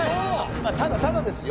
まあただただですよ